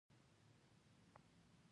ژبه د سوال کوونکي خوږه وسيله ده